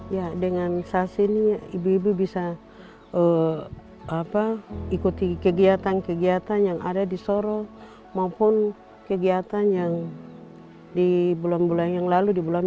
ya dengan saksi ini ibu ibu bisa ikuti kegiatan kegiatan yang ada di soro maupun kegiatan yang di bulan bulan yang lalu di bulan